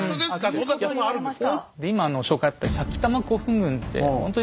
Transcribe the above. そんなとこもあるんですか？